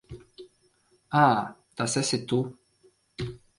Ā, tas esi tu.